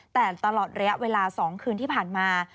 แต่ตลอดระยะเวลา๒คืนที่ผ่านมา